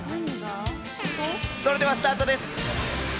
それではスタートです。